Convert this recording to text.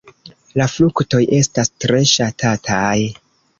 La fruktoj estas tre ŝatataj.